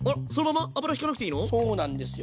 そうなんですよ。